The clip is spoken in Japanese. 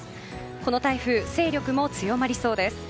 この台風、勢力も強まりそうです。